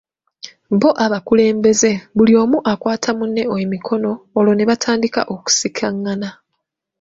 Bo abakulembeze, buli omu akwata munne emikono olwo ne batandika okusikagana.